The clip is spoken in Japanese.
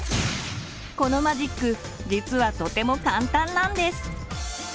このマジック実はとても簡単なんです。